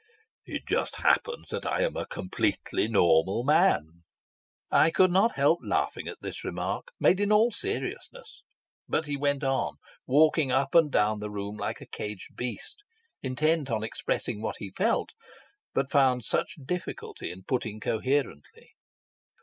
"It just happens that I am a completely normal man." I could not help laughing at this remark, made in all seriousness; but he went on, walking up and down the room like a caged beast, intent on expressing what he felt, but found such difficulty in putting coherently.